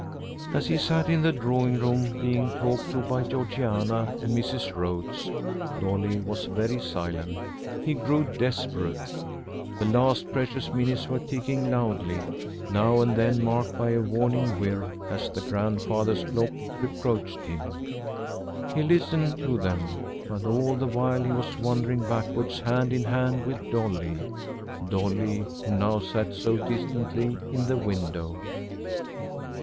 As he sat in the drawing room being talked to by Georgiana and Mrs. Rhodes (Dolly was very silent) he grew desperate. The last precious minutes were ticking loudly, now and then marked by a warning whirr, as the grandfather's clock reproached him. He listened to them, but all the while he was wandering backwards hand in hand with Dolly Dolly who now sat so distantly in the window.